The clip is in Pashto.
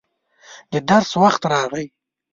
د درس وخت راغی.